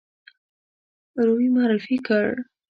روی معرفي کړ.